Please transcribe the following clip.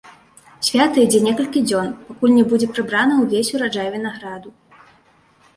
Свята ідзе некалькі дзён, пакуль не будзе прыбраны ўвесь ураджай вінаграду.